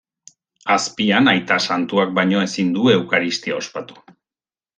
Azpian Aita Santuak baino ezin du eukaristia ospatu.